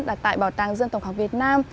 là tại bảo tàng dân tộc học việt nam